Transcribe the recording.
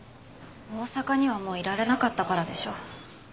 大阪にはもういられなかったからでしょ。